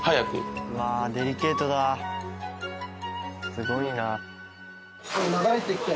すごいな。